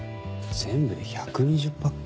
全部で１２０パック。